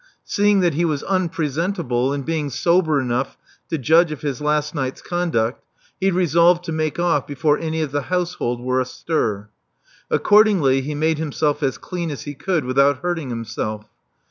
Seeing that he was unpresentable, and being sober enough to judge of his last night's conduct, he resolved to make off before any of the household were astir. Accord ingly, he made himself as clean as he could without hurting himself.